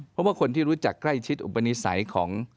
เพราะว่าคนที่รู้จักใกล้ชิดอุปนิสัยของ